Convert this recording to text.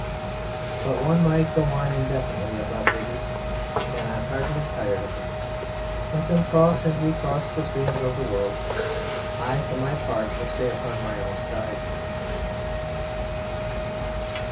But one might go on indefinitely about bridges and I am heartily tired of them. Let them cross and recross the streams of the world. I for my part will stay upon my own side.